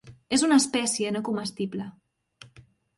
És una espècie no comestible.